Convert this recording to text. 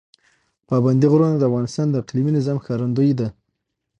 پابندی غرونه د افغانستان د اقلیمي نظام ښکارندوی ده.